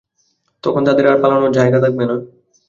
তখন তাদের আর পালানোর জায়গা থাকবে না।